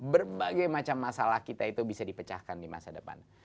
berbagai macam masalah kita itu bisa dipecahkan di masa depan